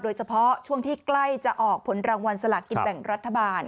โดยเฉพาะช่วงที่ใกล้จะออกผลรางวัลสลากินแบ่งรัฐบาล